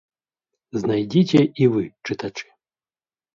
Знайдзіце і вы, чытачы.